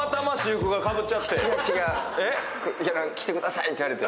違う違う、着てくださいって言われて。